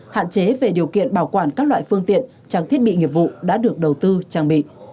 hạn chế về điều kiện bảo quản các loại phương tiện trang thiết bị nghiệp vụ đã được đầu tư trang bị